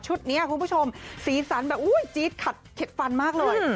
นี้คุณผู้ชมสีสันแบบอุ้ยจี๊ดขัดเข็ดฟันมากเลย